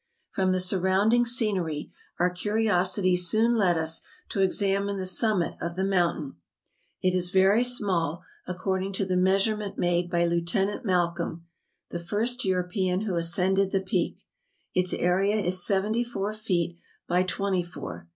From the surrounding scenery our curiosity soon led us to examine the summit of the mountain. ADAM S PEAK, CEYLON. 241 It is very small, according to the measurement made by Lieut. Malcolm (the first European who ascended the Peak) its area is seventy four feet by twenty four.